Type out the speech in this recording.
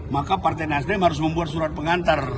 maka partai nasdem harus membuat surat pengantar